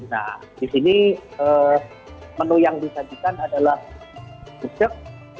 nah di sini menu yang disajikan adalah usek